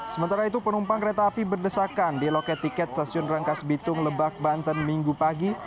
sementara itu penumpang kereta api berdesakan di loket tiket stasiun rangkas bitung lebak banten minggu pagi